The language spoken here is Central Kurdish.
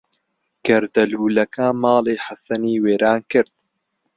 گەردەلوولەکە ماڵی حەسەنی وێران کرد.